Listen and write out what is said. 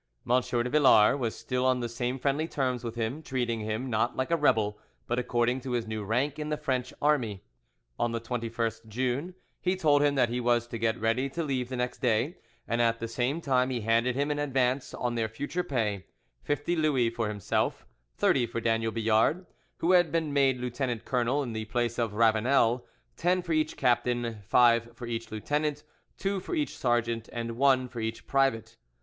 M. de Villars was still on the same friendly terms with him, treating him, not like a rebel, but according to his new rank in the French army. On the 21st June he told him that he was to get ready to leave the next day, and at the same time he handed him an advance on their future pay—fifty Louis for himself, thirty for Daniel Billard, who had been made lieutenant colonel in the place of Ravanel, ten for each captain, five for each lieutenant, two for each sergeant, and one for each private.